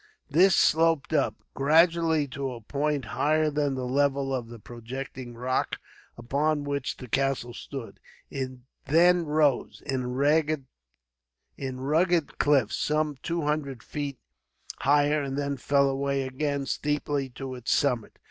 This sloped up, gradually, to a point higher than the level of the projecting rock upon which the castle stood. It then rose, in rugged cliffs, some two hundred feet higher; and then fell away again, steeply, to its summit.